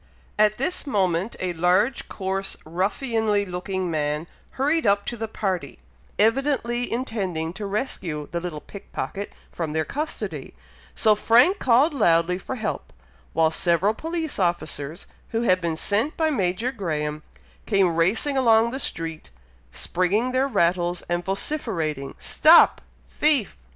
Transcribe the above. At this moment, a large coarse ruffianly looking man hurried up to the party, evidently intending to rescue the little pick pocket from their custody; so Frank called loudly for help, while several police officers who had been sent by Major Graham, came racing along the street, springing their rattles, and vociferating, "Stop thief!"